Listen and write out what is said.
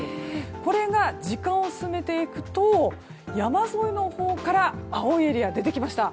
これが時間を進めていくと山沿いのほうから青いエリアが出てきました。